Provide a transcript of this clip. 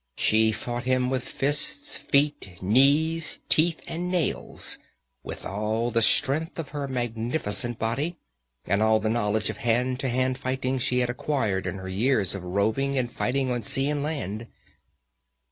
She fought him with fists, feet, knees, teeth and nails, with all the strength of her magnificent body and all the knowledge of hand to hand fighting she had acquired in her years of roving and fighting on sea and land.